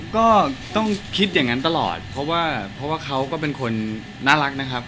ก็ต้องคิดอย่างนั้นตลอดเพราะว่าเพราะว่าเขาก็เป็นคนน่ารักนะครับ